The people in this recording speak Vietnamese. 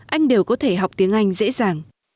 anh đều có thể học tiếng anh dễ dàng